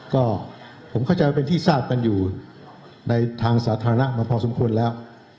ก็ผมเข้าใจว่าเป็นที่ทราบกันอยู่ในทางสาธารณะมาพอสมควรแล้ว